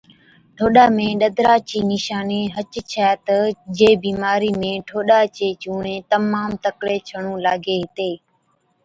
ٺوڏا ۾ ڏَدرا چِي نِشانِي هچ ڇَي تہ جي بِيمارِي ۾ ٺوڏا چي چُونڻي تمام تڪڙي ڇڻُون لاگي هِتي